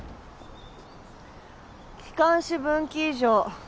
気管支分岐異常。